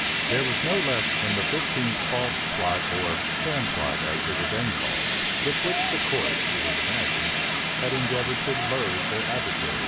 This was no less than the fifteenth false plot, or sham plot, as they were then called, with which the court, it was imagined, had endeavored to load their adversaries.